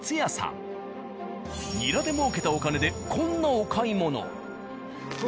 ニラで儲けたお金でこんなお買い物。